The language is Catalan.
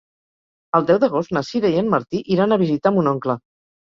El deu d'agost na Sira i en Martí iran a visitar mon oncle.